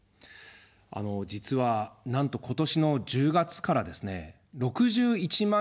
実は、なんと今年の１０月からですね、６１万